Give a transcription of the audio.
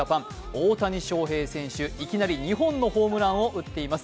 大谷翔平選手、いきなり２本のホームランを打っています。